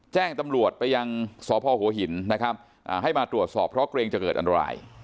แจ้งตำรวจไปยังสพหัวหินนะครับให้มาตรวจสอบเพราะเกรงจะเกิดอันตราย